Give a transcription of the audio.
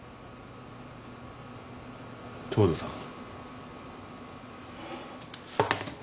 東堂さん？